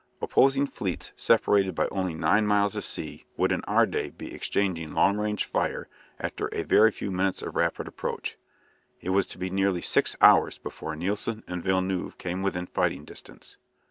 Opposing fleets separated by only nine miles of sea would in our day be exchanging long range fire after a very few minutes of rapid approach. It was to be nearly six hours before Nelson and Villeneuve came within fighting distance.